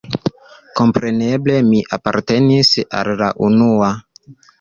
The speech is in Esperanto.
Kompreneble mi apartenis al la unua.